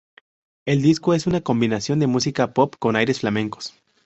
El disco es una combinación de música pop con aires flamencos.